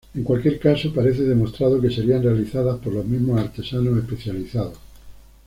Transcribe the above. En cualquier caso, parece demostrado que serían realizadas por los mismos artesanos especializados.